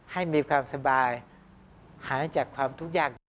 ให้มีความสบายหายจากความทุกอย่าง